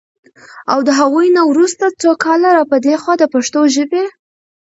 او د هغوی نه وروسته څو کاله را پدې خوا د پښتو ژبې